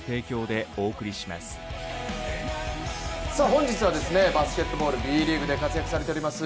本日は、バスケットボールＢリーグで活躍されています